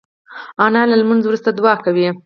انا له لمونځ وروسته دعا کوي